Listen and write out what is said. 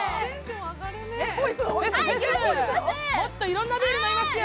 もっといろんなビール飲ませてよ！